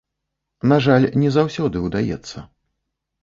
На жаль, не заўсёды ўдаецца.